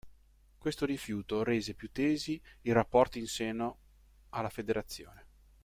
Questo rifiuto rese più tesi i rapporti in seno alla federazione.